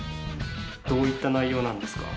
どういった内容なんですか？